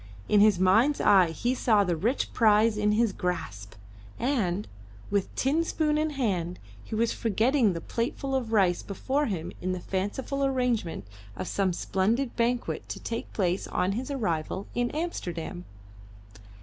In his mind's eye he saw the rich prize in his grasp; and, with tin spoon in his hand, he was forgetting the plateful of rice before him in the fanciful arrangement of some splendid banquet to take place on his arrival in Amsterdam.